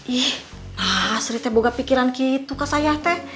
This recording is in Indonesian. ih mah sriteh bukan pikiran gitu kak sayah